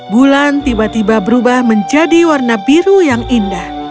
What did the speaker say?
bulan tiba tiba berubah menjadi warna biru yang indah